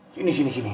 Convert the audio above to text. jangan lupa sama dia